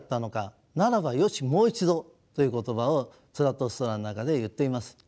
ならばよしもう一度」という言葉を「ツァラトゥストラ」の中で言っています。